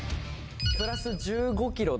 プラス１５ｋｇで。